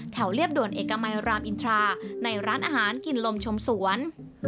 เรียบด่วนเอกมัยรามอินทราในร้านอาหารกินลมชมสวน